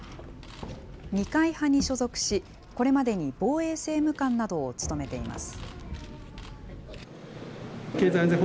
二階派に所属し、これまでに防衛政務官などを務めています。